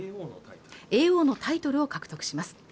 叡王のタイトルを獲得します